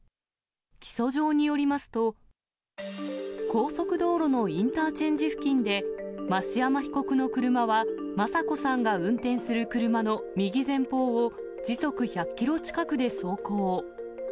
起訴状によりますと、高速道路のインターチェンジ付近で、増山被告の車は、昌子さんが運転する車の右前方を時速１００キロ近くで走行。